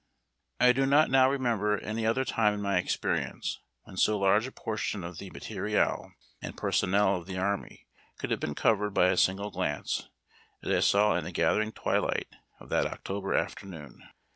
I do not now remember any other time in my experience when so large a portion of the materiel and personnel of the army could have been covered by a single glance as I saw in the gatliering twilight of that Octo ber afternoon.